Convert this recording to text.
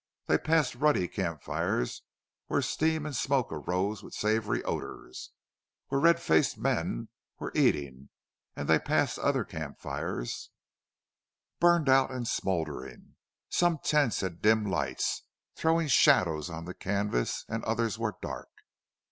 They passed ruddy camp fires, where steam and smoke arose with savory odors, where red faced men were eating; and they passed other camp fires, burned out and smoldering. Some tents had dim lights, throwing shadows on the canvas, and others were dark.